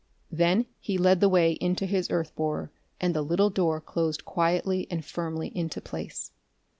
Then he led the way into his earth borer, and the little door closed quietly and firmly into place.